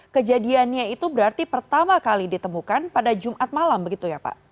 kejadiannya itu berarti pertama kali ditemukan pada jumat malam begitu ya pak